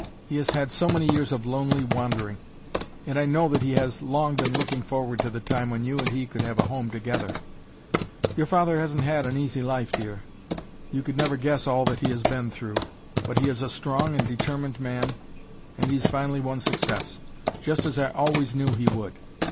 He has had so many years of lonely wandering. And I know that he has long been looking forward to the time when you and he could have a home together. Your father hasn't had an easy life, dear. You could never guess all that he has been through. But he is a strong and determined man, and he's finally won success just as I always knew he would.